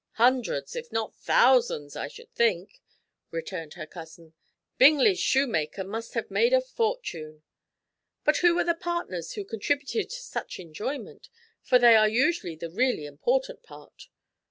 "Hundreds, if not thousands, I should think," returned her cousin. "Bingley's shoemaker must have made a fortune. But who were the partners who contributed to such enjoyment? for they are usually the really important part.